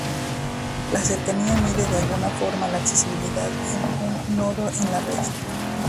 La cercanía mide de alguna forma la accesibilidad de un nodo en la red.